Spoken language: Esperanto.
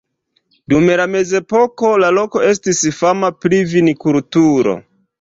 Dum la mezepoko la loko estis fama pri vinkulturo.